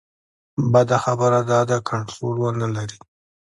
بده خبره دا ده کنټرول ونه لري.